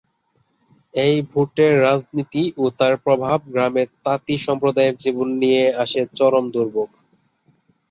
এই ভোটের রাজনীতি ও তার প্রভাব গ্রামের তাঁতি সম্প্রদায়ের জীবনে নিয়ে আসে চরম দুর্ভোগ।